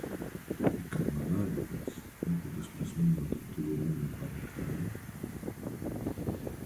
Οι καβαλάρηδες, βλέποντας πεσμένο το πληγωμένο παλικάρι